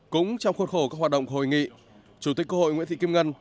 cũng trong khuôn khổ các hoạt động hội nghị chủ tịch quốc hội nguyễn thị kim ngân